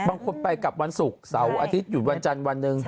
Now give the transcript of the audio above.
บางคนไปกลับวันศุกร์เสาร์อาทิตหยุดวันจันทร์วันหนึ่ง